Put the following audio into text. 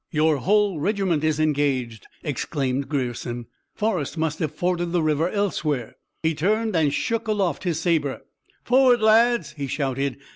"Your whole regiment is engaged," exclaimed Grierson. "Forrest must have forded the river elsewhere!" He turned and shook aloft his saber. "Forward, lads!" he shouted.